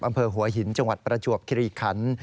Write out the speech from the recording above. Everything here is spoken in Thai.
อำเภอหัวหินจังหวัดประจวบคิริคัน